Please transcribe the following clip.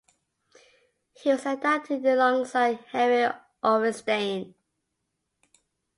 He was inducted alongside Henry Orenstein.